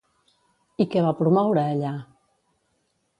I què va promoure allà?